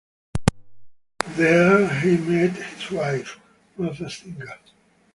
There he met his wife, Martha Singer.